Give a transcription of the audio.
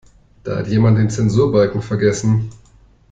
Da hat jemand den Zensurbalken vergessen.